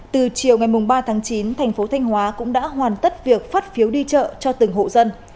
từ chiều ngày ba tháng chín thành phố thanh hóa cũng đã hoàn tất việc phát phiếu đi chợ cho từng hộ dân